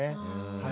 はい。